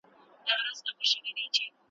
لکه یو بشپړ تاريخي- ټولنيز